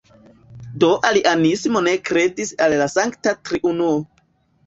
Do arianismo ne kredis al la Sankta Triunuo.